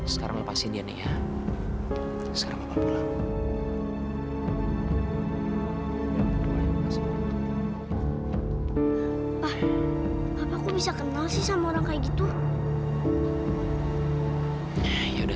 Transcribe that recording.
sekarang lepasin dia nek ya